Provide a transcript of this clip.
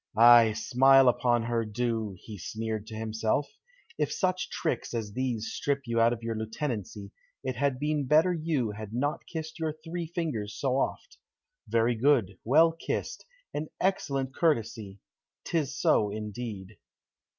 "Ay, smile upon her, do," he sneered to himself; "if such tricks as these strip you out of your lieutenancy, it had been better you had not kissed your three fingers so oft.... Very good; well kissed! an excellent courtesy! 'tis so, indeed!"